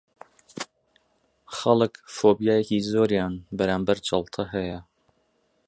خەڵک فۆبیایەکی زۆریان بەرامبەر جەڵتە هەیە